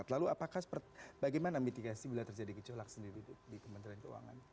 lalu apakah bagaimana mitigasi bila terjadi gejolak sendiri di kementerian keuangan